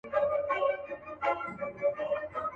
موږ یو چي د دې په سر کي شور وینو.